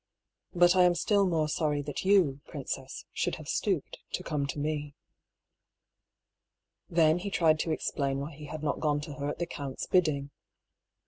HER DREAM. 229 " But I am still more sorry that you, princess, should have stooped to come to me." Then he tried to explain why he had not gone to her at the count's bidding.